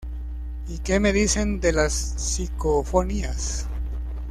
Y qué me dicen de las psicofonías